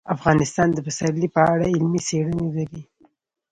افغانستان د پسرلی په اړه علمي څېړنې لري.